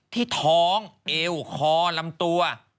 ที่ท้องเอวคอลำตัว